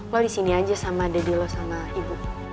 lo disini aja sama deddy lo sama ibu